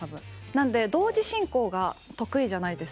なので同時進行が得意じゃないですね。